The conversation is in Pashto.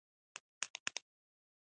د بارانونو د اوبو ډنډول یا زیرمه کول.